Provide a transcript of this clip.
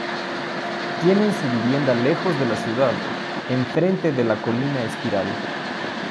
Tienen su vivienda lejos de la ciudad, enfrente de la colina espiral.